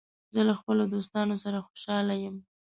زه له خپلو دوستانو سره خوشاله یم.